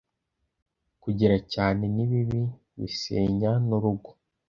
kugera cyaane nibibi bisenyanurugo